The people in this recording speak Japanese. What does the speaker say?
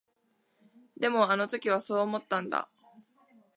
でも、あの時はそう思ったんだ。